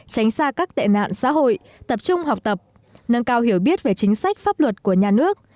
tránh xa các tệ nạn xã hội tập trung học tập nâng cao hiểu biết về chính sách pháp luật của nhà nước